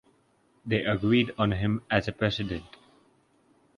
They agreed on him as a president.